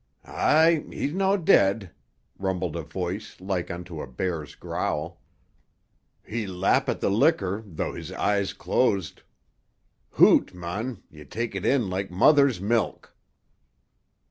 "Aye; he's no' dead," rumbled a voice like unto a bear's growl. "He lappit the liquor though his eye's closed. Hoot, man! Ye take it in like mother's milk."